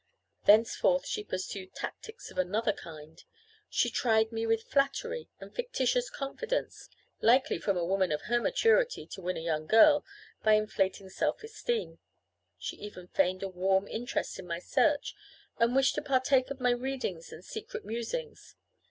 Thenceforth she pursued tactics of another kind. She tried me with flattery and fictitious confidence, likely from a woman of her maturity to win a young girl, by inflating self esteem: she even feigned a warm interest in my search, and wished to partake in my readings and secret musings.